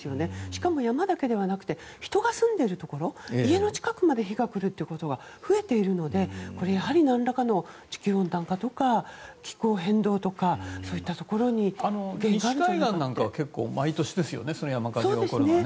しかも山だけじゃなくて人が住んでいるところ家の近くまで火が来ることが増えているのでやはり何らかの地球温暖化とか気候変動とかそういったところに西海岸とかは毎年ですね山火事が起こるのは。